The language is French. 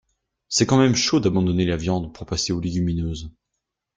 C'est quand même chaud d'abandonner la viande pour passer aux légumineuses.